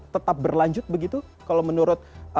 tetap berlanjut begitu kalau menurut